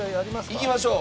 いきましょう。